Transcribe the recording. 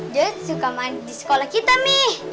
dia suka main di sekolah kita nih